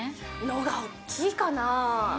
のが大きいかな。